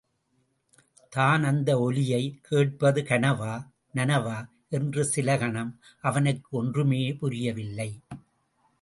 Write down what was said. தான் அந்த ஒலியைக் கேட்பது கனவா, நனவா? என்று சில கணம் அவனுக்கு ஒன்றுமே புரியவில்லை.